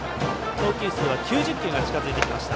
投球数は９０球が近づいてきました。